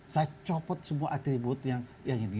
saya copot sebuah atribut yang ini